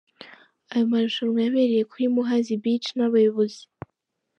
Ayo marushanwa yabereye kuri Muhazi Beach n’abayobozi.